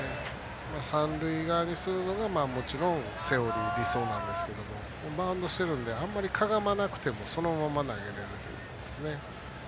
三塁側にするのがもちろんセオリー理想なんですけどバウンドをしてるのであんまり、かがまなくてもそのまま投げられるんですね。